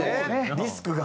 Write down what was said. リスクが。